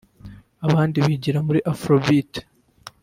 abandi bigira muri Afro Beat